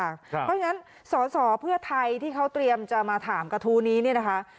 เพราะฉะนั้นสอสอเพื่อไทยที่เขาเตรียมจะมาถามกระทู้นี้เนี่ยนะคะ